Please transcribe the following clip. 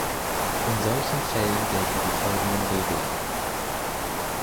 In solchen Fällen gelten die folgenden Regeln.